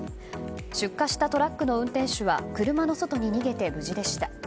出火したトラックの運転手は車の外に逃げて無事でした。